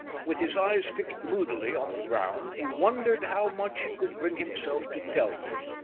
With his eyes fixed moodily on the ground, he wondered how much he could bring himself to tell them.